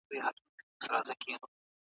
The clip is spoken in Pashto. وسایل په کور کې وي.